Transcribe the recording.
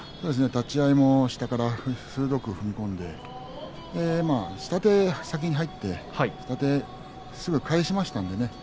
立ち合い下から鋭く踏み込んで下手が先に入ってすぐ返しましたね。